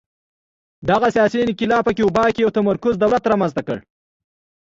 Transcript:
دغه سیاسي انقلاب په کیوبا کې یو متمرکز دولت رامنځته کړ